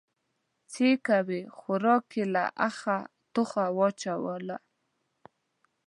_څه يې کوې، خوارکی يې له اخه ټوخه واچوله.